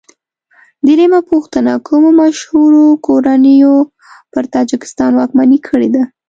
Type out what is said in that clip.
درېمه پوښتنه: کومو مشهورو کورنیو پر تاجکستان واکمني کړې ده؟